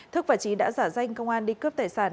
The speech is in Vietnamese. thức và trí đã giả danh công an đi cướp tài sản